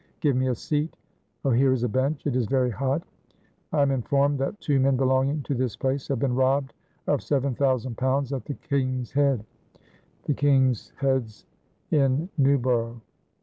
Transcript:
Give me a seat. Oh, here is a bench. It is very hot. I am informed that two men belonging to this place have been robbed of seven thousand pounds at the 'King's Head' the 'King's Heads in Newborough."